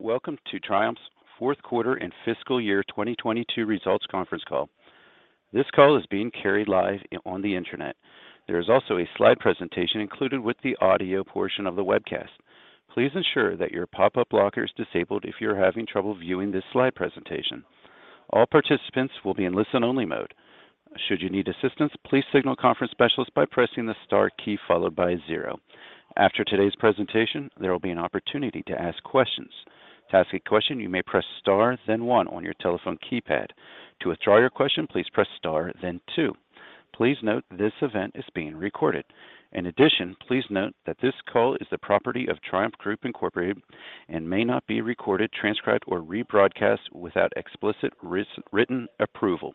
Welcome to Triumph's fourth quarter and fiscal year 2022 results conference call. This call is being carried live on the internet. There is also a slide presentation included with the audio portion of the webcast. Please ensure that your pop-up blocker is disabled if you're having trouble viewing this slide presentation. All participants will be in listen-only mode. Should you need assistance, please signal conference specialist by pressing the star key followed by zero. After today's presentation, there will be an opportunity to ask questions. To ask a question, you may press star then one on your telephone keypad. To withdraw your question, please press star then two. Please note this event is being recorded. In addition, please note that this call is the property of Triumph Group, Inc. and may not be recorded, transcribed, or rebroadcast without explicit written approval.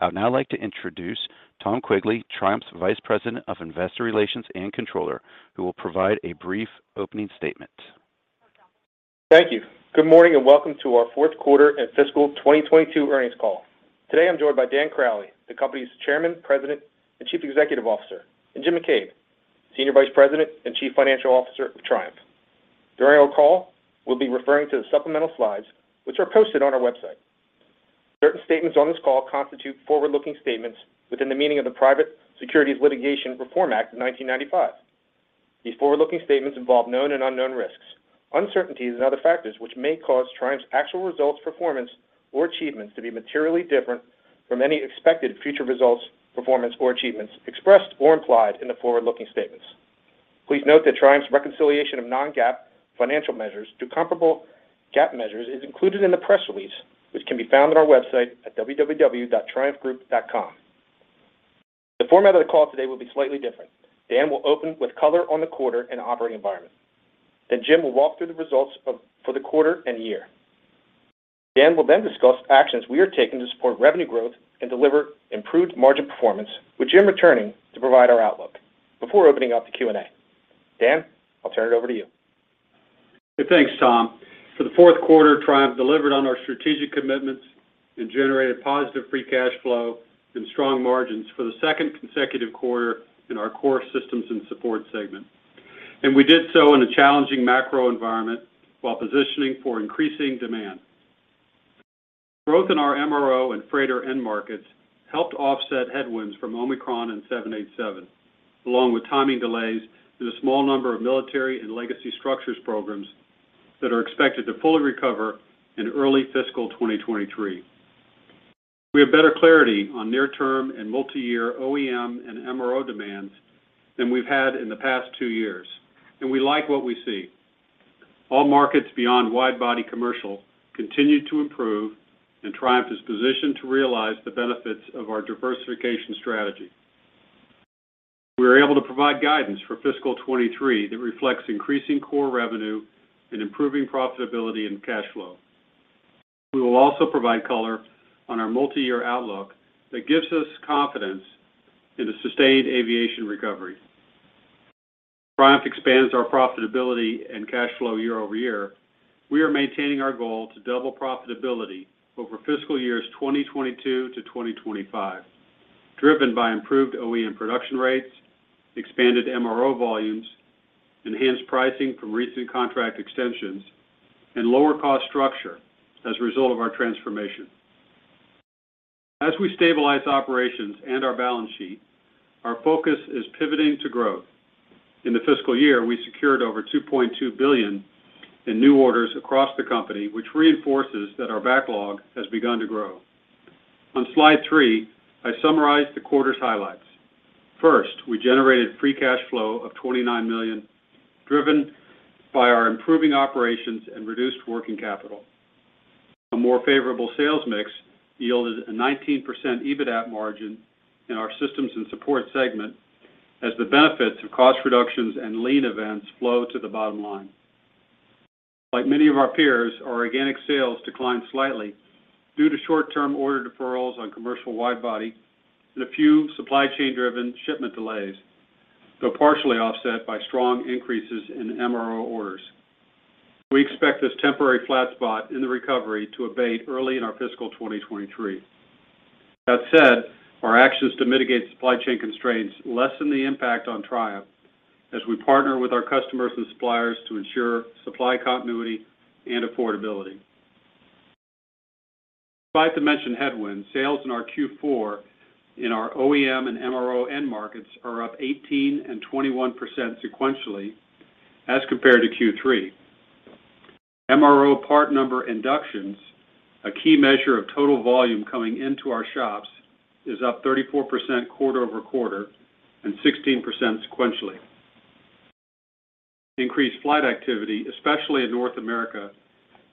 I would now like to introduce Tom Quigley, Triumph's Vice President of Investor Relations and Controller, who will provide a brief opening statement. Thank you. Good morning, and welcome to our fourth quarter and fiscal 2022 earnings call. Today, I'm joined by Dan Crowley, the company's Chairman, President, and Chief Executive Officer, and Jim McCabe, Senior Vice President and Chief Financial Officer of Triumph. During our call, we'll be referring to the supplemental slides, which are posted on our website. Certain statements on this call constitute forward-looking statements within the meaning of the Private Securities Litigation Reform Act of 1995. These forward-looking statements involve known and unknown risks, uncertainties, and other factors which may cause Triumph's actual results, performance, or achievements to be materially different from any expected future results, performance, or achievements expressed or implied in the forward-looking statements. Please note that Triumph's reconciliation of non-GAAP financial measures to comparable GAAP measures is included in the press release, which can be found on our website at www.triumphgroup.com. The format of the call today will be slightly different. Dan will open with color on the quarter and operating environment. Jim will walk through the results for the quarter and year. Dan will then discuss actions we are taking to support revenue growth and deliver improved margin performance, with Jim returning to provide our outlook before opening up the Q&A. Dan, I'll turn it over to you. Thanks, Tom. For the fourth quarter, Triumph delivered on our strategic commitments and generated positive free cash flow and strong margins for the second consecutive quarter in our core Systems & Support segment. We did so in a challenging macro environment while positioning for increasing demand. Growth in our MRO and freighter end markets helped offset headwinds from Omicron and 787, along with timing delays in a small number of military and legacy structures programs that are expected to fully recover in early fiscal 2023. We have better clarity on near-term and multi-year OEM and MRO demands than we've had in the past two years, and we like what we see. All markets beyond wide-body commercial continue to improve, and Triumph is positioned to realize the benefits of our diversification strategy. We are able to provide guidance for fiscal 2023 that reflects increasing core revenue and improving profitability and cash flow. We will also provide color on our multi-year outlook that gives us confidence in a sustained aviation recovery. Triumph expands our profitability and cash flow year-over-year. We are maintaining our goal to double profitability over fiscal years 2022 to 2025, driven by improved OEM production rates, expanded MRO volumes, enhanced pricing from recent contract extensions, and lower cost structure as a result of our transformation. As we stabilize operations and our balance sheet, our focus is pivoting to growth. In the fiscal year, we secured over $2.2 billion in new orders across the company, which reinforces that our backlog has begun to grow. On slide three, I summarized the quarter's highlights. First, we generated free cash flow of $29 million, driven by our improving operations and reduced working capital. A more favorable sales mix yielded a 19% EBITDA margin in our Systems & Support segment as the benefits of cost reductions and lean events flow to the bottom line. Like many of our peers, our organic sales declined slightly due to short-term order deferrals on commercial wide body and a few supply chain-driven shipment delays, though partially offset by strong increases in MRO orders. We expect this temporary flat spot in the recovery to abate early in our fiscal 2023. That said, our actions to mitigate supply chain constraints lessen the impact on Triumph as we partner with our customers and suppliers to ensure supply continuity and affordability. Despite the mentioned headwinds, sales in our Q4 in our OEM and MRO end markets are up 18% and 21% sequentially as compared to Q3. MRO part number inductions, a key measure of total volume coming into our shops, is up 34% quarter-over-quarter and 16% sequentially. Increased flight activity, especially in North America,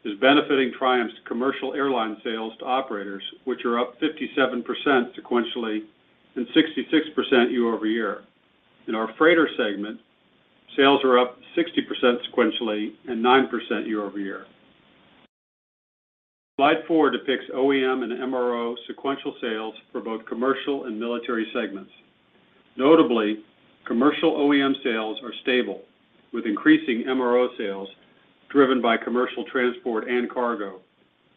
is benefiting Triumph's commercial airline sales to operators, which are up 57% sequentially and 66% year-over-year. In our freighter segment, sales are up 60% sequentially and 9% year-over-year. Slide four depicts OEM and MRO sequential sales for both commercial and military segments. Notably, commercial OEM sales are stable, with increasing MRO sales driven by commercial transport and cargo.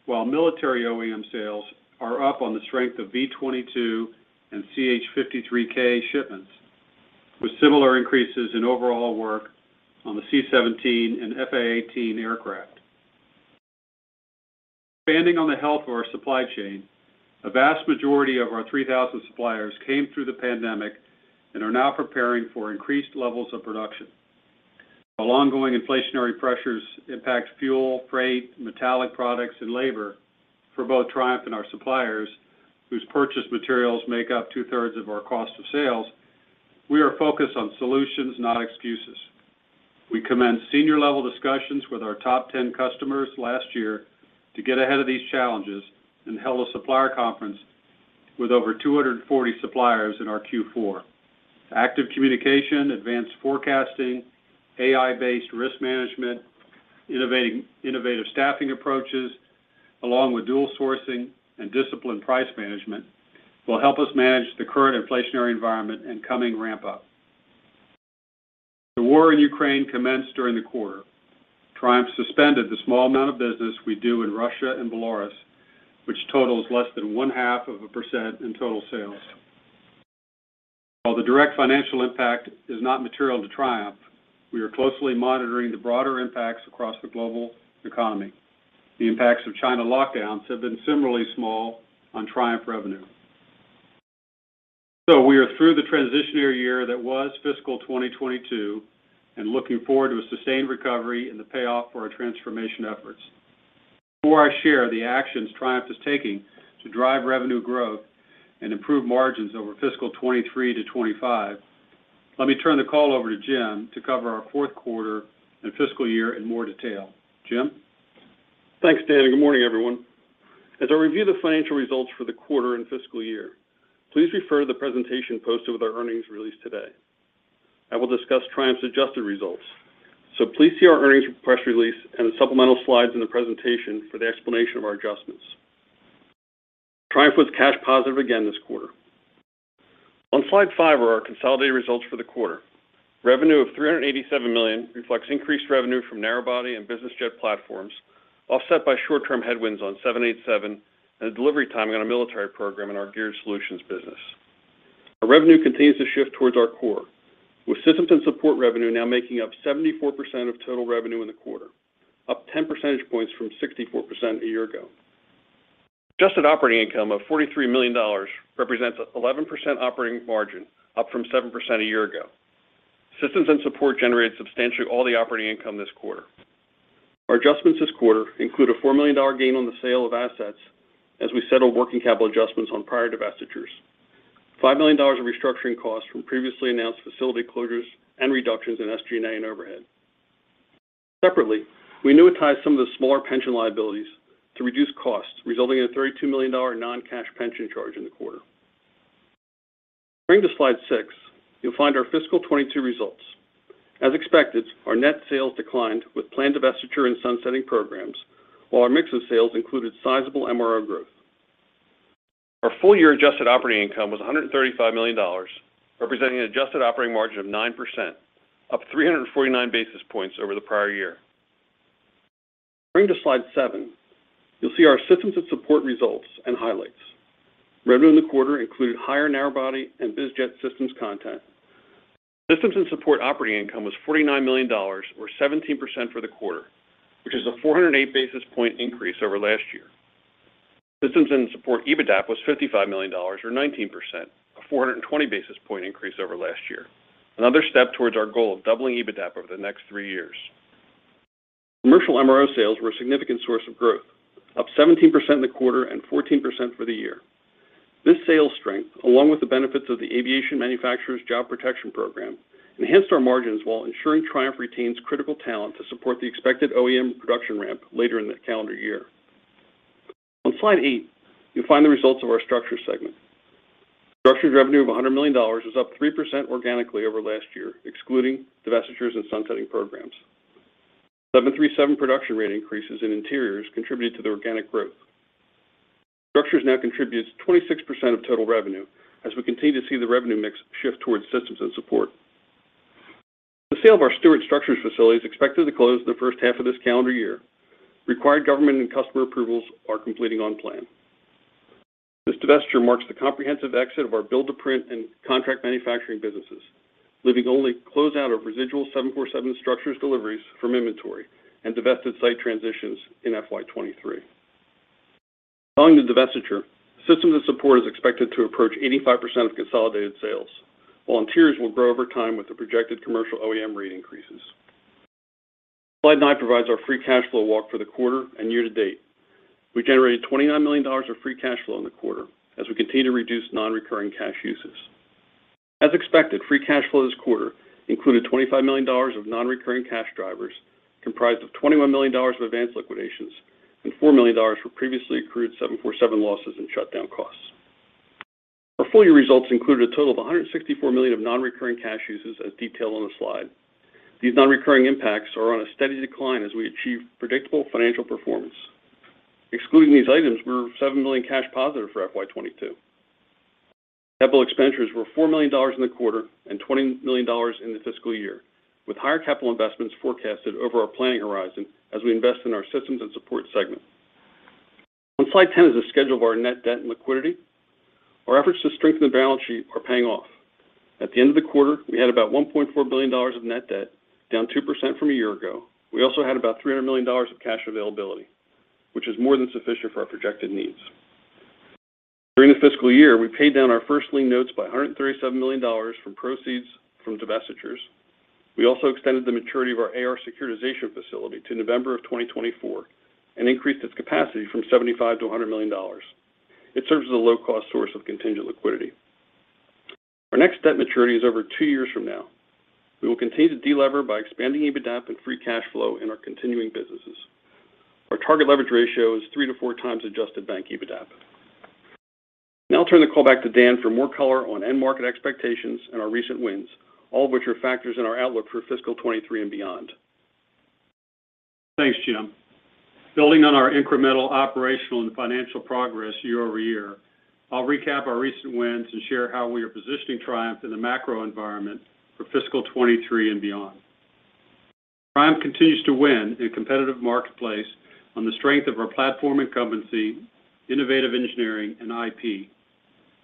While military OEM sales are up on the strength of V-22 and CH-53K shipments. With similar increases in overall work on the C-17 and F/A-18 aircraft. Expanding on the health of our supply chain, a vast majority of our 3,000 suppliers came through the pandemic and are now preparing for increased levels of production. While ongoing inflationary pressures impact fuel, freight, metallic products and labor for both Triumph and our suppliers, whose purchased materials make up 2/3 of our cost of sales, we are focused on solutions, not excuses. We commenced senior level discussions with our top 10 customers last year to get ahead of these challenges and held a supplier conference with over 240 suppliers in our Q4. Active communication, advanced forecasting, AI-based risk management, innovative staffing approaches, along with dual sourcing and disciplined price management will help us manage the current inflationary environment and coming ramp up. The war in Ukraine commenced during the quarter. Triumph suspended the small amount of business we do in Russia and Belarus, which totals less than 0.5% in total sales. While the direct financial impact is not material to Triumph, we are closely monitoring the broader impacts across the global economy. The impacts of China lockdowns have been similarly small on Triumph revenue. We are through the transitionary year that was fiscal 2022 and looking forward to a sustained recovery and the payoff for our transformation efforts. Before I share the actions Triumph is taking to drive revenue growth and improve margins over fiscal 2023 to 2025, let me turn the call over to Jim to cover our fourth quarter and fiscal year in more detail. Jim. Thanks, Dan, and good morning, everyone. As I review the financial results for the quarter and fiscal year, please refer to the presentation posted with our earnings release today. I will discuss Triumph's adjusted results, so please see our earnings press release and the supplemental slides in the presentation for the explanation of our adjustments. Triumph was cash positive again this quarter. On slide five are our consolidated results for the quarter. Revenue of $387 million reflects increased revenue from narrow-body and business jet platforms, offset by short-term headwinds on 787 and the delivery timing on a military program in our Geared Solutions business. Our revenue continues to shift towards our core, with Systems & Support revenue now making up 74% of total revenue in the quarter, up 10 percentage points from 64% a year ago. Adjusted operating income of $43 million represents 11% operating margin, up from 7% a year ago. Systems & Support generated substantially all the operating income this quarter. Our adjustments this quarter include a $4 million gain on the sale of assets as we settle working capital adjustments on prior divestitures, $5 million in restructuring costs from previously announced facility closures and reductions in SG&A and overhead. Separately, we annuitized some of the smaller pension liabilities to reduce costs, resulting in a $32 million non-cash pension charge in the quarter. Turning to slide six, you'll find our fiscal 2022 results. As expected, our net sales declined with planned divestiture and sunsetting programs, while our mix of sales included sizable MRO growth. Our full-year adjusted operating income was $135 million, representing an adjusted operating margin of 9%, up 349 basis points over the prior year. Turning to slide seven, you'll see our Systems & Support results and highlights. Revenue in the quarter included higher narrow body and biz jet systems content. Systems & Support operating income was $49 million or 17% for the quarter, which is a 408 basis point increase over last year. Systems & Support EBITDA was $55 million or 19%, a 420 basis point increase over last year. Another step towards our goal of doubling EBITDA over the next three years. Commercial MRO sales were a significant source of growth, up 17% in the quarter and 14% for the year. This sales strength, along with the benefits of the Aviation Manufacturing Jobs Protection Program, enhanced our margins while ensuring Triumph retains critical talent to support the expected OEM production ramp later in the calendar year. On slide eight, you'll find the results of our structures segment. Structures revenue of $100 million was up 3% organically over last year, excluding divestitures and sunsetting programs. 737 production rate increases in interiors contributed to the organic growth. Structures now contributes 26% of total revenue as we continue to see the revenue mix shift towards Systems & Support. The sale of our Stuart Structures facility is expected to close in the first half of this calendar year. Required government and customer approvals are completing on plan. This divestiture marks the comprehensive exit of our build to print and contract manufacturing businesses, leaving only closeout of residual 747 structures deliveries from inventory and divested site transitions in FY 2023. Following the divestiture, Systems & Support is expected to approach 85% of consolidated sales, while interiors will grow over time with the projected commercial OEM rate increases. Slide nine provides our free cash flow walk for the quarter and year to date. We generated $29 million of free cash flow in the quarter as we continue to reduce non-recurring cash uses. As expected, free cash flow this quarter included $25 million of non-recurring cash drivers comprised of $21 million of advanced liquidations and $4 million for previously accrued 747 losses and shutdown costs. Our full-year results included a total of $164 million of non-recurring cash uses as detailed on the slide. These non-recurring impacts are on a steady decline as we achieve predictable financial performance. Excluding these items, we were $7 million cash positive for FY 2022. Capital expenditures were $4 million in the quarter and $20 million in the fiscal year, with higher capital investments forecasted over our planning horizon as we invest in our Systems & Support segment. On slide 10 is a schedule of our net debt and liquidity. Our efforts to strengthen the balance sheet are paying off. At the end of the quarter, we had about $1.4 billion of net debt, down 2% from a year ago. We also had about $300 million of cash availability, which is more than sufficient for our projected needs. During the fiscal year, we paid down our first lien notes by $137 million from proceeds from divestitures. We also extended the maturity of our AR securitization facility to November 2024 and increased its capacity from $75 million to $100 million. It serves as a low-cost source of contingent liquidity. Our next debt maturity is over two years from now. We will continue to de-lever by expanding EBITDAP and free cash flow in our continuing businesses. Our target leverage ratio is 3x-4x adjusted bank EBITDAP. Now I'll turn the call back to Dan for more color on end market expectations and our recent wins, all of which are factors in our outlook for fiscal 2023 and beyond. Thanks, Jim. Building on our incremental operational and financial progress year-over-year, I'll recap our recent wins and share how we are positioning Triumph in the macro environment for fiscal 2023 and beyond. Triumph continues to win in a competitive marketplace on the strength of our platform incumbency, innovative engineering, and IP.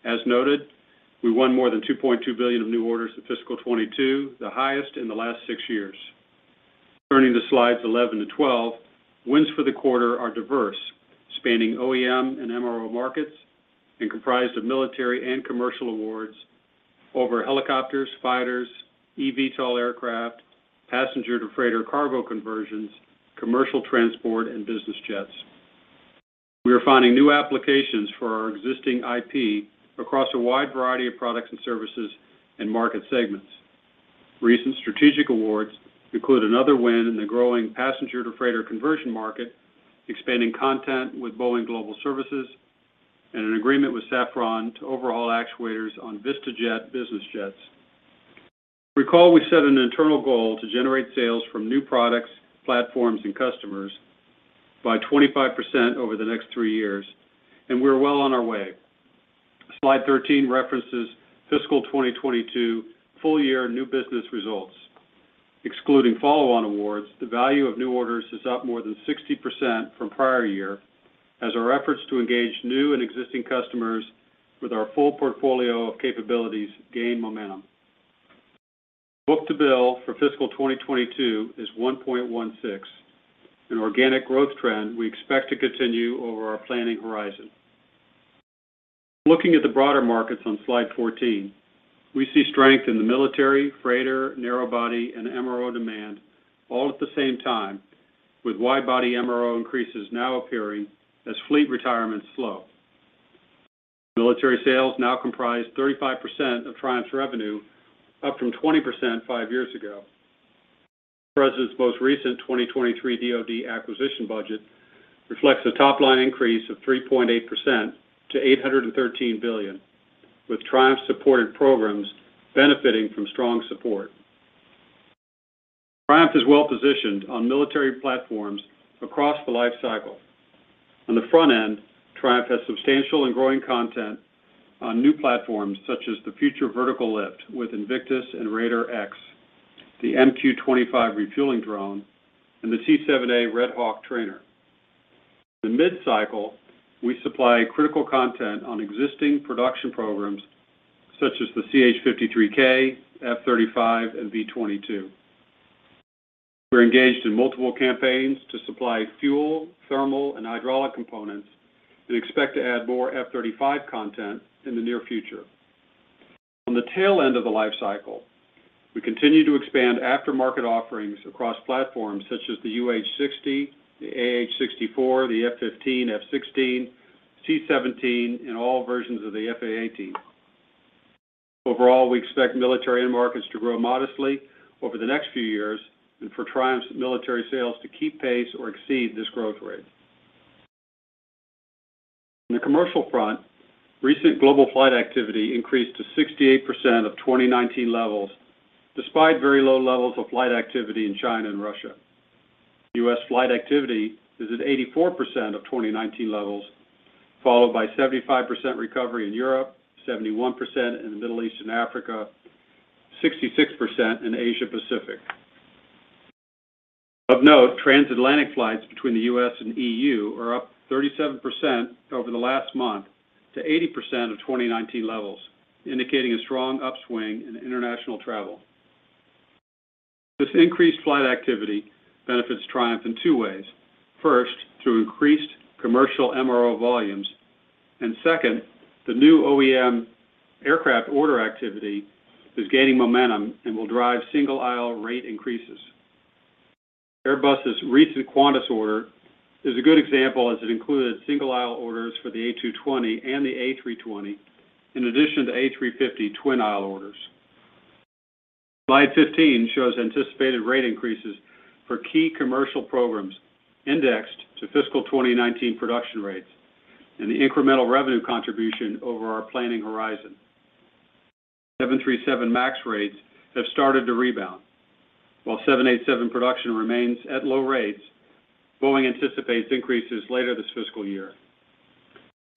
As noted, we won more than $2.2 billion of new orders in fiscal 2022, the highest in the last six years. Turning to slides 11-12, wins for the quarter are diverse, spanning OEM and MRO markets and comprised of military and commercial awards over helicopters, fighters, eVTOL aircraft, passenger-to-freighter cargo conversions, commercial transport, and business jets. We are finding new applications for our existing IP across a wide variety of products and services and market segments. Recent strategic awards include another win in the growing passenger-to-freighter conversion market, expanding content with Boeing Global Services, and an agreement with Safran to overhaul actuators on VistaJet business jets. Recall we set an internal goal to generate sales from new products, platforms, and customers by 25% over the next three years, and we're well on our way. Slide 13 references fiscal 2022 full-year new business results. Excluding follow-on awards, the value of new orders is up more than 60% from prior year as our efforts to engage new and existing customers with our full portfolio of capabilities gain momentum. Book-to-bill for fiscal 2022 is 1.16x, an organic growth trend we expect to continue over our planning horizon. Looking at the broader markets on slide 14, we see strength in the military, freighter, narrow body, and MRO demand all at the same time, with wide-body MRO increases now appearing as fleet retirements slow. Military sales now comprise 35% of Triumph's revenue, up from 20% five years ago. The President's most recent 2023 DoD acquisition budget reflects a top-line increase of 3.8% to $813 billion, with Triumph-supported programs benefiting from strong support. Triumph is well-positioned on military platforms across the life cycle. On the front end, Triumph has substantial and growing content on new platforms such as the Future Vertical Lift with Invictus and Raider X, the MQ-25 refueling drone, and the T-7A Red Hawk trainer. In mid-cycle, we supply critical content on existing production programs such as the CH-53K, F-35, and V-22. We're engaged in multiple campaigns to supply fuel, thermal, and hydraulic components and expect to add more F-35 content in the near future. On the tail end of the life cycle, we continue to expand aftermarket offerings across platforms such as the UH-60, the AH-64, the F-15, F-16, C-17, and all versions of the F/A-18. Overall, we expect military end markets to grow modestly over the next few years and for Triumph's military sales to keep pace or exceed this growth rate. On the commercial front, recent global flight activity increased to 68% of 2019 levels despite very low levels of flight activity in China and Russia. U.S. flight activity is at 84% of 2019 levels, followed by 75% recovery in Europe, 71% in the Middle East and Africa, 66% in Asia Pacific. Of note, transatlantic flights between the U.S. and E.U. are up 37% over the last month to 80% of 2019 levels, indicating a strong upswing in international travel. This increased flight activity benefits Triumph in two ways. First, through increased commercial MRO volumes. Second, the new OEM aircraft order activity is gaining momentum and will drive single-aisle rate increases. Airbus' recent Qantas order is a good example as it included single-aisle orders for the A220 and the A320, in addition to A350 twin-aisle orders. Slide 15 shows anticipated rate increases for key commercial programs indexed to fiscal 2019 production rates and the incremental revenue contribution over our planning horizon. 737 MAX rates have started to rebound. While 787 production remains at low rates, Boeing anticipates increases later this fiscal year.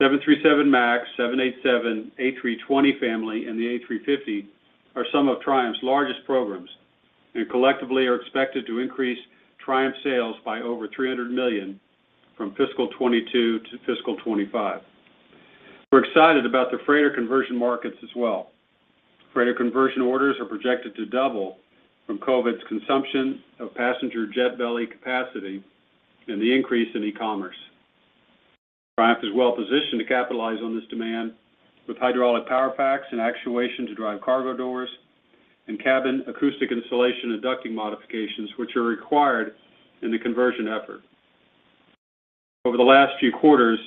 737 MAX, 787, A320 family, and the A350 are some of Triumph's largest programs, and collectively are expected to increase Triumph sales by over $300 million from fiscal 2022 to fiscal 2025. We're excited about the freighter conversion markets as well. Freighter conversion orders are projected to double from COVID's consumption of passenger jet belly capacity and the increase in e-commerce. Triumph is well-positioned to capitalize on this demand with hydraulic power packs and actuation to drive cargo doors and cabin acoustic insulation and ducting modifications which are required in the conversion effort. Over the last few quarters,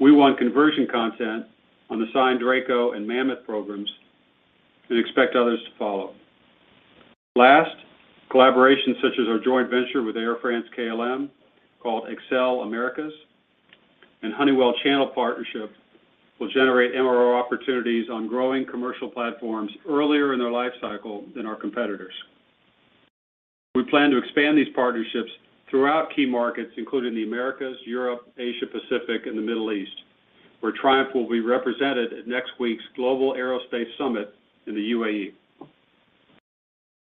we won conversion content on the Sine Draco and Mammoth programs and expect others to follow. Last, collaborations such as our joint venture with Air France-KLM, called xCelle Americas, and Honeywell channel partnership will generate MRO opportunities on growing commercial platforms earlier in their life cycle than our competitors. We plan to expand these partnerships throughout key markets, including the Americas, Europe, Asia Pacific, and the Middle East, where Triumph will be represented at next week's Global Aerospace Summit in the U.A.E.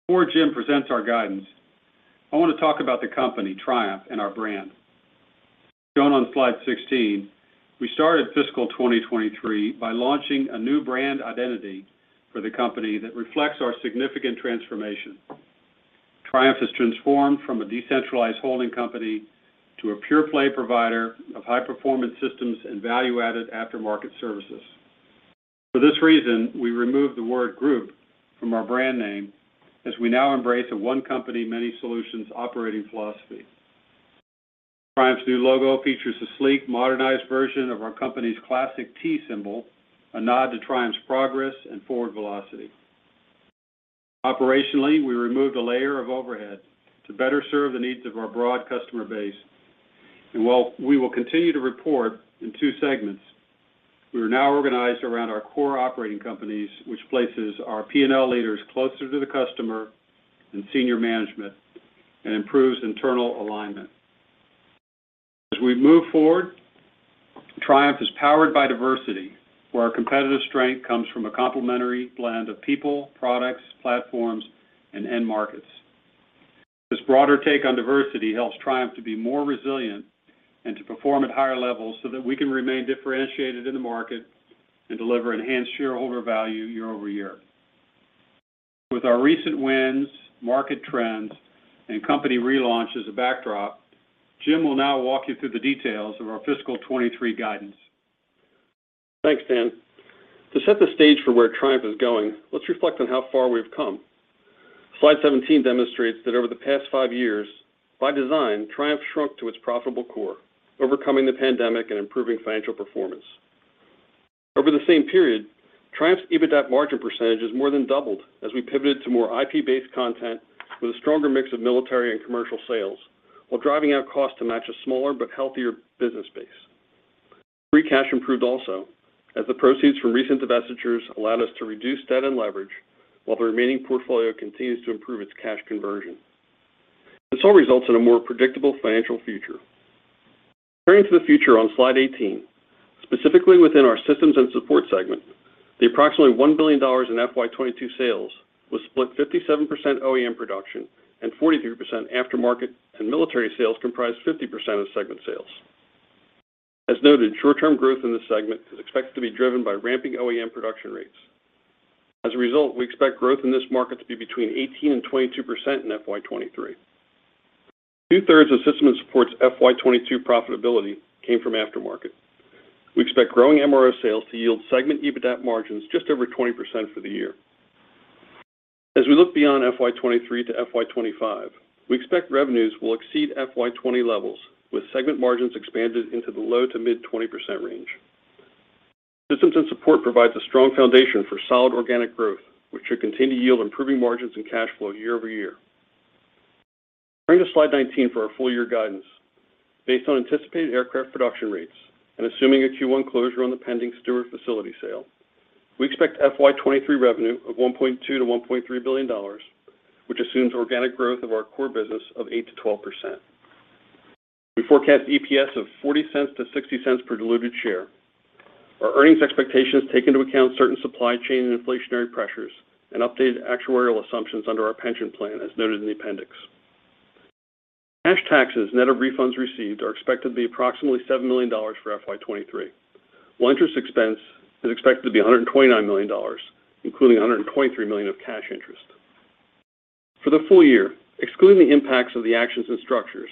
Before Jim presents our guidance, I want to talk about the company, Triumph, and our brand. Shown on slide 16, we started fiscal 2023 by launching a new brand identity for the company that reflects our significant transformation. Triumph has transformed from a decentralized holding company to a pure-play provider of high-performance systems and value-added aftermarket services. For this reason, we removed the word group from our brand name as we now embrace a one-company, many solutions operating philosophy. Triumph's new logo features a sleek, modernized version of our company's classic T symbol, a nod to Triumph's progress and forward velocity. Operationally, we removed a layer of overhead to better serve the needs of our broad customer base. While we will continue to report in two segments, we are now organized around our core operating companies, which places our P&L leaders closer to the customer and senior management and improves internal alignment. As we move forward, Triumph is powered by diversity, where our competitive strength comes from a complementary blend of people, products, platforms, and end markets. This broader take on diversity helps Triumph to be more resilient and to perform at higher levels so that we can remain differentiated in the market and deliver enhanced shareholder value year-over-year. With our recent wins, market trends, and company relaunch as a backdrop, Jim will now walk you through the details of our fiscal 2023 guidance. Thanks, Dan. To set the stage for where Triumph is going, let's reflect on how far we've come. Slide 17 demonstrates that over the past five years, by design, Triumph shrunk to its profitable core, overcoming the pandemic and improving financial performance. Over the same period, Triumph's EBITDAP margin percentage has more than doubled as we pivoted to more IP-based content with a stronger mix of military and commercial sales while driving out costs to match a smaller but healthier business base. Free cash improved also, as the proceeds from recent divestitures allowed us to reduce debt and leverage while the remaining portfolio continues to improve its cash conversion. This all results in a more predictable financial future. Turning to the future on slide 18, specifically within our Systems & Support segment, the approximately $1 billion in FY 2022 sales was split 57% OEM production and 43% aftermarket and military sales comprised 50% of segment sales. As noted, short-term growth in this segment is expected to be driven by ramping OEM production rates. As a result, we expect growth in this market to be between 18% and 22% in FY 2023. Two-thirds of Systems & Support's FY 2022 profitability came from aftermarket. We expect growing MRO sales to yield segment EBITDAP margins just over 20% for the year. As we look beyond FY 2023 to FY 2025, we expect revenues will exceed FY 2020 levels, with segment margins expanded into the low- to mid-20% range. Systems & Support provides a strong foundation for solid organic growth, which should continue to yield improving margins and cash flow year-over-year. Turning to slide 19 for our full year guidance. Based on anticipated aircraft production rates and assuming a Q1 closure on the pending Stuart facility sale, we expect FY 2023 revenue of $1.2 billion-$1.3 billion, which assumes organic growth of our core business of 8%-12%. We forecast EPS of $0.40-$0.60 per diluted share. Our earnings expectations take into account certain supply chain and inflationary pressures and updated actuarial assumptions under our pension plan, as noted in the appendix. Cash taxes, net of refunds received, are expected to be approximately $7 million for FY 2023, while interest expense is expected to be $129 million, including $123 million of cash interest. For the full year, excluding the impacts of the actions and structures,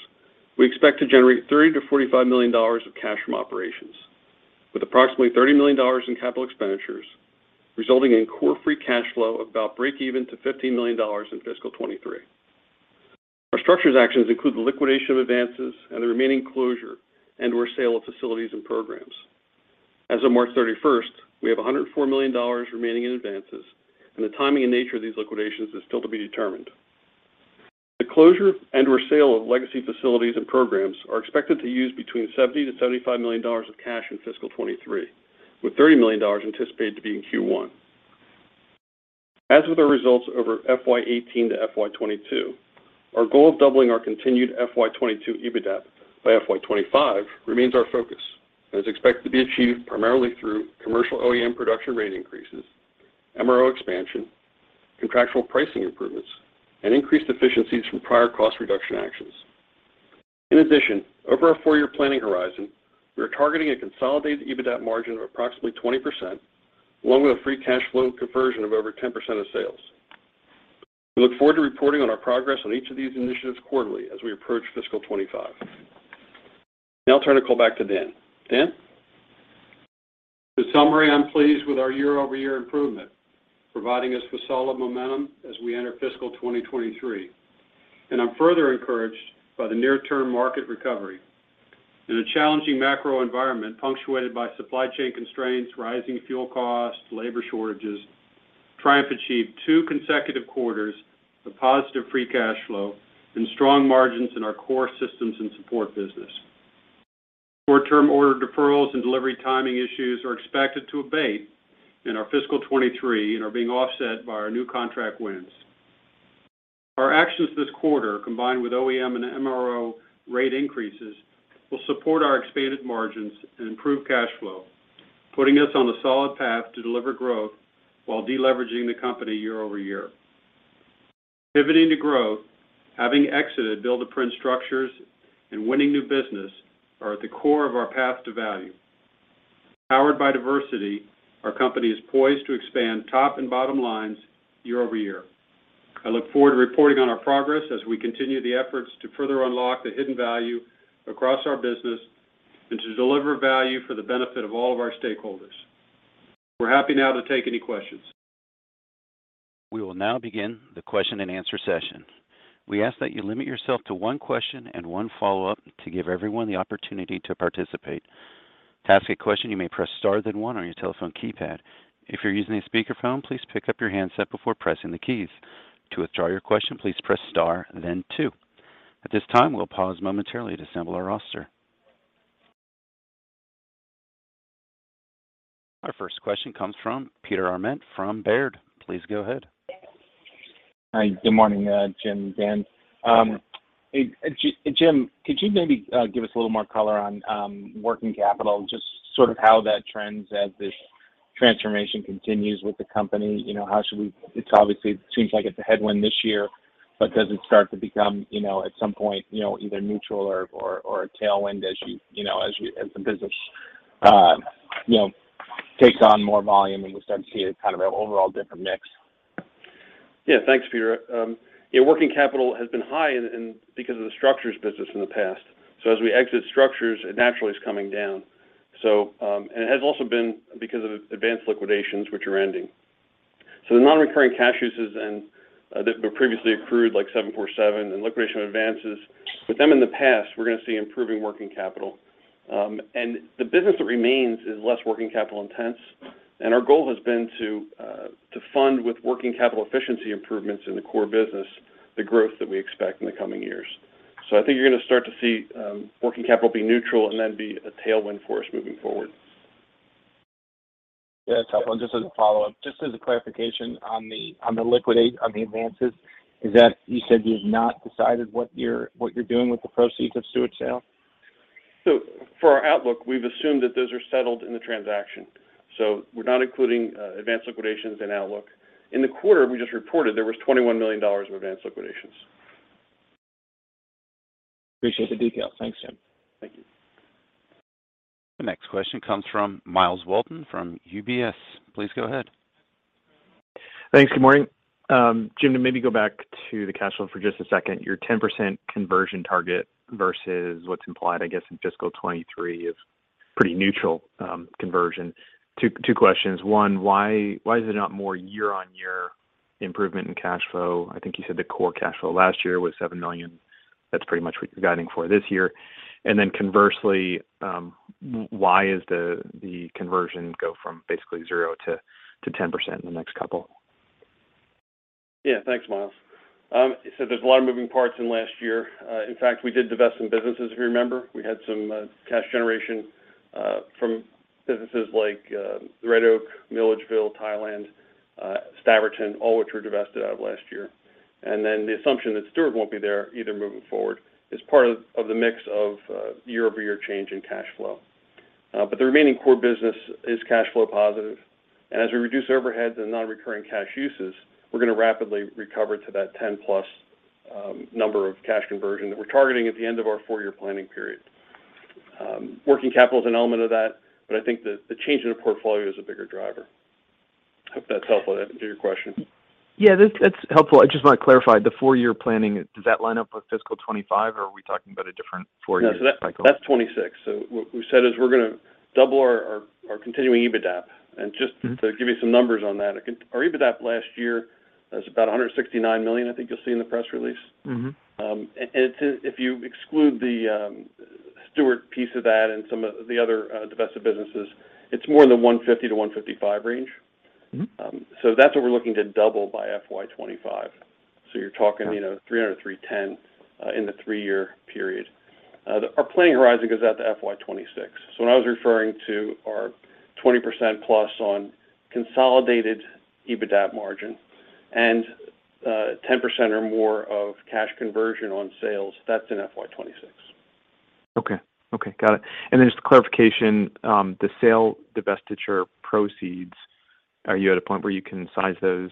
we expect to generate $30 million-$45 million of cash from operations, with approximately $30 million in capital expenditures, resulting in core free cash flow of about breakeven to $15 million in fiscal 2023. Our structures actions include the liquidation of advances and the remaining closure and/or sale of facilities and programs. As of March 31st, we have $104 million remaining in advances, and the timing and nature of these liquidations is still to be determined. The closure and/or sale of legacy facilities and programs are expected to use between $70 million-$75 million of cash in fiscal 2023, with $30 million anticipated to be in Q1. As with our results over FY 2018 to FY 2022, our goal of doubling our continued FY 2022 EBITDAP by FY 2025 remains our focus and is expected to be achieved primarily through commercial OEM production rate increases, MRO expansion, contractual pricing improvements, and increased efficiencies from prior cost reduction actions. In addition, over our four-year planning horizon, we are targeting a consolidated EBITDAP margin of approximately 20%, along with a free cash flow conversion of over 10% of sales. We look forward to reporting on our progress on each of these initiatives quarterly as we approach fiscal 2025. Now I'll turn the call back to Dan. Dan? In summary, I'm pleased with our year-over-year improvement, providing us with solid momentum as we enter fiscal 2023, and I'm further encouraged by the near-term market recovery. In a challenging macro environment punctuated by supply chain constraints, rising fuel costs, labor shortages, Triumph achieved two consecutive quarters of positive free cash flow and strong margins in our core Systems & Support business. Fourth quarter order deferrals and delivery timing issues are expected to abate in our fiscal 2023 and are being offset by our new contract wins. Our actions this quarter, combined with OEM and MRO rate increases, will support our expanded margins and improve cash flow, putting us on a solid path to deliver growth while de-leveraging the company year-over-year. Pivoting to growth, having exited build-to-print structures, and winning new business are at the core of our path to value. Powered by diversity, our company is poised to expand top and bottom lines year-over-year. I look forward to reporting on our progress as we continue the efforts to further unlock the hidden value across our business and to deliver value for the benefit of all of our stakeholders. We're happy now to take any questions. We will now begin the question and answer session. We ask that you limit yourself to one question and one follow-up to give everyone the opportunity to participate. To ask a question, you may press star then one on your telephone keypad. If you're using a speakerphone, please pick up your handset before pressing the keys. To withdraw your question, please press star then two. At this time, we'll pause momentarily to assemble our roster. Our first question comes from Peter Arment from Baird. Please go ahead. Hi. Good morning, Jim and Dan. Good morning. Jim, could you maybe give us a little more color on working capital, just sort of how that trends as this transformation continues with the company? You know, it's obviously a headwind this year, but does it start to become, you know, at some point either neutral or a tailwind as you know, as the business takes on more volume and we start to see a kind of a overall different mix? Yeah. Thanks, Peter. Yeah, working capital has been high because of the structures business in the past. As we exit structures, it naturally is coming down. It has also been because of advance liquidations, which are ending. The non-recurring cash uses that were previously accrued, like 747 and liquidation advances, with them in the past, we're gonna see improving working capital. The business that remains is less working capital intense, and our goal has been to fund with working capital efficiency improvements in the core business, the growth that we expect in the coming years. I think you're gonna start to see working capital be neutral and then be a tailwind for us moving forward. Yeah, it's helpful. Just as a follow-up, just as a clarification on the advances, is that you said you have not decided what you're doing with the proceeds of Stuart sale? For our outlook, we've assumed that those are settled in the transaction, so we're not including advanced liquidations in outlook. In the quarter we just reported, there was $21 million of advanced liquidations. Appreciate the detail. Thanks, Jim. Thank you. The next question comes from Myles Walton from UBS. Please go ahead. Thanks. Good morning. Jim, to maybe go back to the cash flow for just a second, your 10% conversion target versus what's implied, I guess, in fiscal 2023 is pretty neutral conversion. Two questions. One, why is it not more year-on-year improvement in cash flow? I think you said the core cash flow last year was $7 million. That's pretty much what you're guiding for this year. Then conversely, why is the conversion go from basically 0% to 10% in the next couple? Yeah. Thanks, Myles. There's a lot of moving parts in last year. In fact, we did divest some businesses, if you remember. We had some cash generation from businesses like Red Oak, Milledgeville, Thailand, Staverton, all which were divested out of last year. The assumption that Stuart won't be there either moving forward is part of the mix of year-over-year change in cash flow. The remaining core business is cash flow positive, and as we reduce overheads and non-recurring cash uses, we're gonna rapidly recover to that 10+ number of cash conversion that we're targeting at the end of our four-year planning period. Working capital is an element of that, but I think the change in the portfolio is a bigger driver. Hope that's helpful to your question. Yeah, that's helpful. I just wanna clarify. The four-year planning, does that line up with fiscal 2025, or are we talking about a different four-year cycle? No, that's 2026. What we said is we're gonna double our continuing EBITDAP. Mm-hmm. Just to give you some numbers on that, our EBITDAP last year was about $169 million, I think you'll see in the press release. Mm-hmm. If you exclude the Stuart piece of that and some of the other divested businesses, it's more in the $150 million-$155 million range. Mm-hmm. That's what we're looking to double by FY 2025. You're talking, you know, $300 million-$310 million in the three-year period. Our planning horizon is at the FY 2026. When I was referring to our 20%+ on consolidated EBITDA margin and 10% or more of cash conversion on sales, that's in FY 2026. Okay. Got it. Just a clarification, the sale divestiture proceeds, are you at a point where you can size those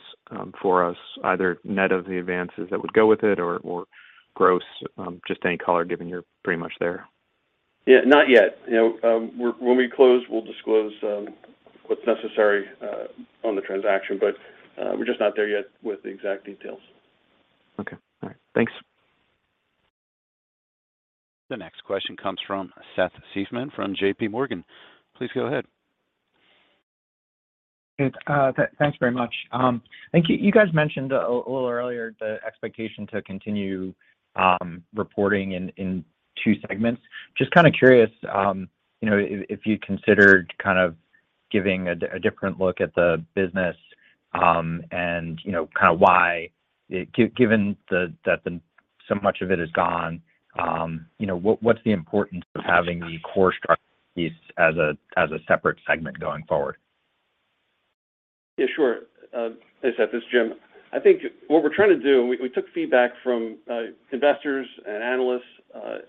for us either net of the advances that would go with it or gross, just any color given you're pretty much there? Yeah. Not yet. You know, when we close, we'll disclose what's necessary on the transaction, but we're just not there yet with the exact details. Okay. All right. Thanks. The next question comes from Seth Seifman from JPMorgan. Please go ahead. Good. Thanks very much. Thank you. You guys mentioned a little earlier the expectation to continue reporting in two segments. Just kind of curious, you know, if you considered kind of giving a different look at the business, and, you know, kind of why given that so much of it is gone, you know, what's the importance of having the core structure piece as a separate segment going forward? Yeah, sure. Hey, Seth, this is Jim. I think what we're trying to do, we took feedback from investors and analysts.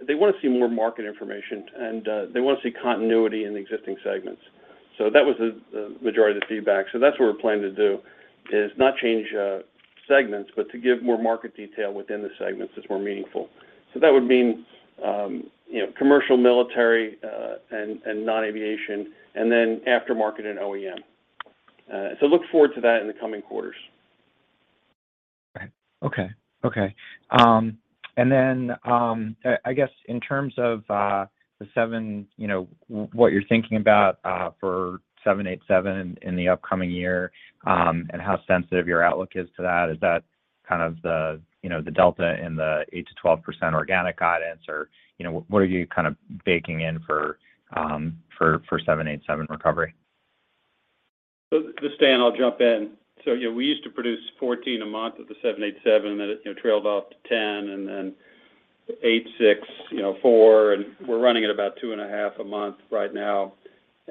They wanna see more market information and they wanna see continuity in the existing segments. That was the majority of the feedback. That's what we're planning to do, is not change segments, but to give more market detail within the segments that's more meaningful. That would mean, you know, commercial, military, and non-aviation, and then aftermarket and OEM. Look forward to that in the coming quarters. Okay. I guess in terms of the 787, you know, what you're thinking about for 787 in the upcoming year, and how sensitive your outlook is to that, is that kind of the, you know, the delta in the 8%-12% organic guidance or, you know, what are you kind of baking in for 787 recovery? This is Dan, I'll jump in. You know, we used to produce 14 a month of the 787, and then it trailed off to 10 and then eight, six, you know, four, and we're running at about 2.5 a month right now.